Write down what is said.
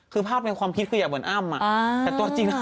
คือภาพในความคิดคืออยากเหมือนอ้ำแต่ตัวจริงแล้ว